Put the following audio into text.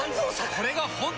これが本当の。